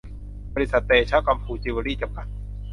บริษัท เตชะกำพุจิวเวลรี่ จำกัด